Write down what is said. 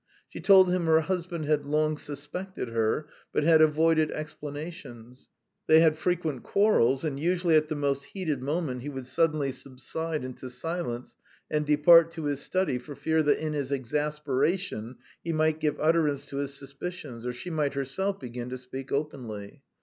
She told him her husband had long suspected her, but had avoided explanations; they had frequent quarrels, and usually at the most heated moment he would suddenly subside into silence and depart to his study for fear that in his exasperation he might give utterance to his suspicions or she might herself begin to speak openly.